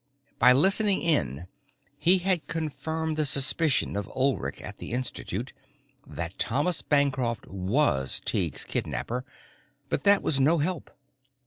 By listening in he had confirmed the suspicion of Ulrich at the Institute that Thomas Bancroft was Tighe's kidnapper but that was no help.